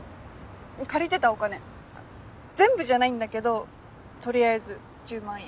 借りてたお金全部じゃないんだけど取りあえず１０万円。